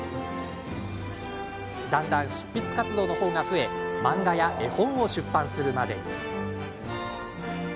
だんだん執筆活動の方が増え漫画や絵本を出版するまでに。